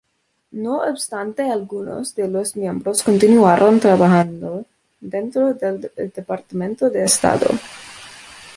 No obstante, algunos de los miembros continuaron trabajando dentro del Departamento de Estado.